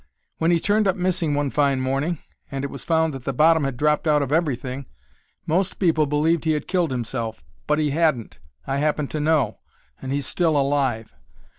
When he turned up missing one fine morning, and it was found that the bottom had dropped out of everything, most people believed he had killed himself. But he hadn't, I happen to know, and he's still alive.